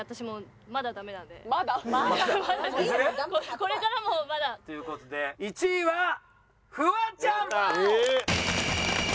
これからもまだ。という事で１位はフワちゃん！